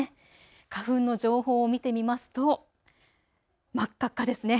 花粉の情報を見てみますと真っ赤っかですね。